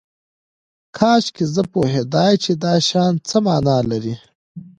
کاشکې زه پوهیدای چې دا شیان څه معنی لري